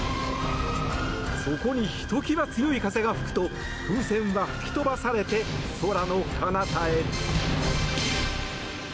そこに、ひときわ強い風が吹くと風船は吹き飛ばされて空の彼方へ。